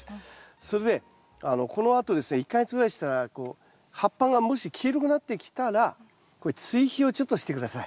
それでこのあとですね１か月ぐらいしたらこう葉っぱがもし黄色くなってきたら追肥をちょっとして下さい。